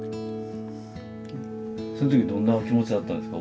その時どんなお気持ちだったんですか？